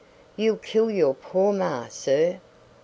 "You'll kill your poor ma, sir."